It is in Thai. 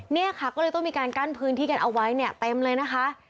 เนี่ยค่ะก็เลยต้องมีการกั้นพื้นที่กันเอาไว้เนี่ยเต็มเลยนะคะ